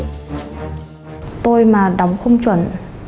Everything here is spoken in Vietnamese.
tôi mà đóng không chuẩn